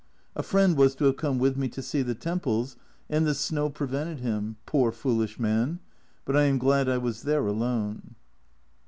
A friend was to have come with me to see the temples, and the snow prevented him poor foolish man ! But I am glad I was there alone.